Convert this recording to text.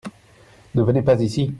ne venez pas ici.